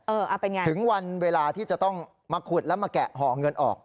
เป็นไงถึงวันเวลาที่จะต้องมาขุดแล้วมาแกะห่อเงินออก